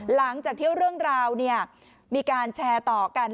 หลังจากที่เรื่องราวมีการแชร์ต่อกัน